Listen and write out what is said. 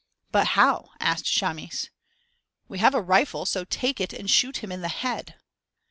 "But how?" asked Chamis. "We have a rifle, so take it and shoot him in the head."